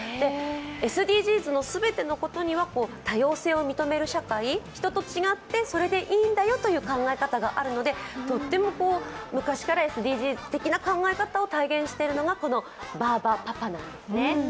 ＳＤＧｓの全てのことには多様性を認める社会、人と違ってそれでいいんだよという考え方があるのでとっても昔からＳＤＧｓ的な考え方を体現しているのがこのバーバパパなんですね。